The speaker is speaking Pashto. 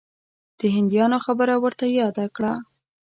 د هندیانو خبره ورته یاده کړه.